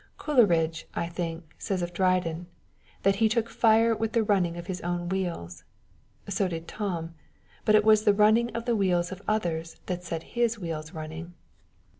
Coleridge, I think, says of Dryden, that he took fire with the running of his own wheels: so did Tom; but it was the running of the wheels of others that set his wheels running.